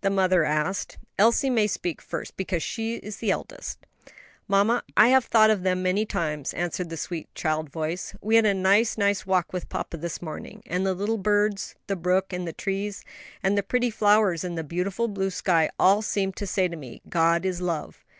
the mother asked. "Elsie may speak first, because she is the eldest." "Mamma, I have thought of them many times," answered the sweet child voice; "we had a nice, nice walk with papa this morning, and the little birds, the brook, and the trees, and the pretty flowers and the beautiful blue sky all seemed to say to me, 'God is love.'